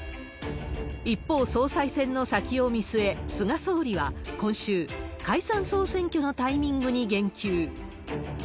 一方、総裁選の先を見据え、菅総理は今週、解散・総選挙のタイミングに言及。